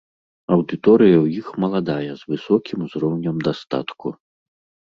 Аўдыторыя ў іх маладая з высокім узроўнем дастатку.